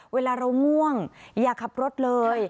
เวลาเราง่วงอย่าขับรถเลย